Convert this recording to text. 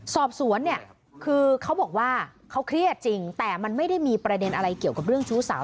สอบสวนเนี่ยคือเขาบอกว่าเขาเครียดจริงแต่มันไม่ได้มีประเด็นอะไรเกี่ยวกับเรื่องชู้สาว